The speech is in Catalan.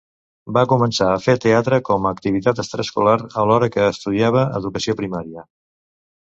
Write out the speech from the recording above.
Va començar a fer teatre com a activitat extraescolar alhora que estudiava Educació Primària.